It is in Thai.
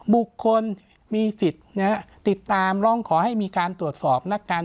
บุคคลมีสิทธิ์ติดตามร้องขอให้มีการตรวจสอบนักการ